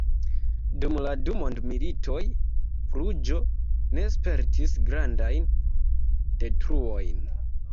Dum la du mondmilitoj Bruĝo ne spertis grandajn detruojn.